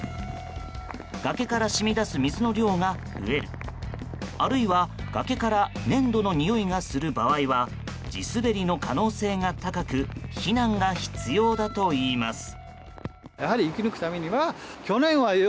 崖から染み出す水の量が増えるあるいは崖から粘土のにおいがする場合は地滑りの可能性が高く避難が必要だといいます。